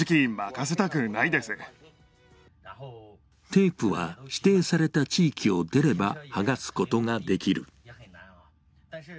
テープは指定された地域を出れば、はがすことができる。